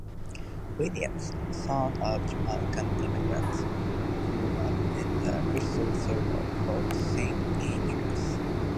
Williams, son of Jamaican immigrants, grew up in the Bristol suburb of Saint Andrews.